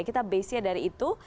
kita base nya dari itu